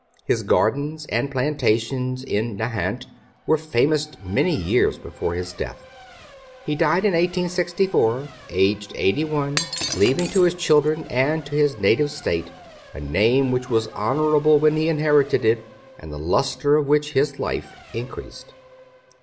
His gardens and plantations in Nahant were famous many years before his death. He died in 1864, aged eighty one, leaving to his children and to his native State a name which was honorable when he inherited it, and the lustre of which his life increased.